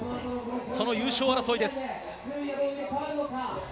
その優勝争いです。